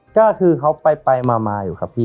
ก็คือเขาไปมาอยู่ครับพี่